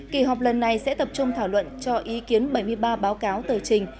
kỳ họp lần này sẽ tập trung thảo luận cho ý kiến bảy mươi ba báo cáo tờ trình